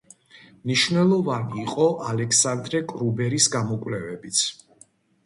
მნიშვნელოვანი იყო ალექსანდრე კრუბერის გამოკვლევებიც.